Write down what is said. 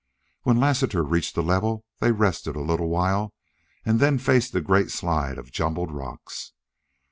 When Lassiter reached the level they rested a little while and then faced the great slide of jumbled rocks.